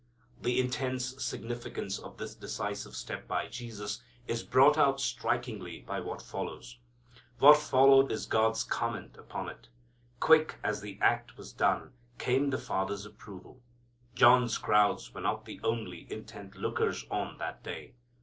The intense significance of this decisive step by Jesus is brought out strikingly by what follows. What followed is God's comment upon it. Quick as the act was done came the Father's approval. John's crowds were not the only intent lookers on that day.